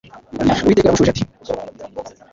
Uwiteka yaramushubijati